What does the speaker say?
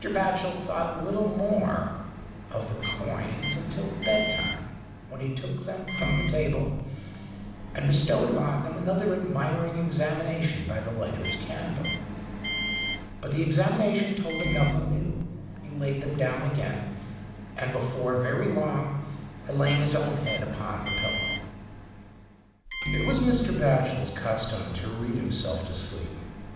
Batchel thought little more of the 73 GHOST TALES. coins until bedtime, when he took them from the table and bestowed upon them another admiring examination by the light of his candle. But the examination told him nothing new: he laid them down again, and, before very long, had lain his own head upon the pillow. It was Mr. Batchel's custom to read himself to sleep.